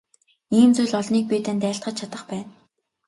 Ийм зүйл олныг би танд айлтгаж чадах байна.